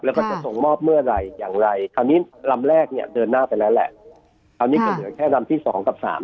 แล้วก็จะส่งมอบเมื่อไหร่อย่างไรคราวนี้ลำแรกเนี่ยเดินหน้าไปแล้วแหละคราวนี้ก็เหลือแค่ลำที่สองกับสาม